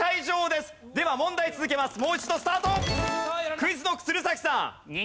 ＱｕｉｚＫｎｏｃｋ鶴崎さん。